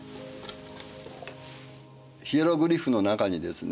ヒエログリフの中にですね